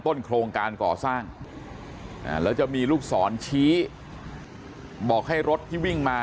โครงการก่อสร้างแล้วจะมีลูกศรชี้บอกให้รถที่วิ่งมา